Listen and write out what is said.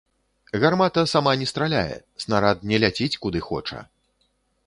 Гармата сама не страляе, снарад не ляціць куды хоча.